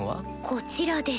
こちらです。